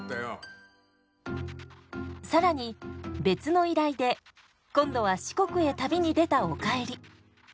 更に別の依頼で今度は四国へ旅に出たおかえり。